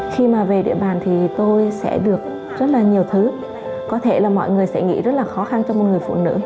khi mà về địa bàn thì tôi sẽ được rất là nhiều thứ có thể là mọi người sẽ nghĩ rất là khó khăn cho một người phụ nữ